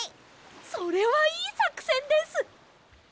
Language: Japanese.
それはいいさくせんです！